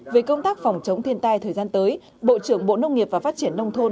về công tác phòng chống thiên tai thời gian tới bộ trưởng bộ nông nghiệp và phát triển nông thôn